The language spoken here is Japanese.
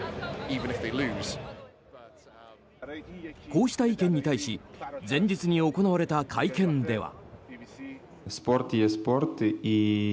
こうした意見に対し前日に行われた会見では。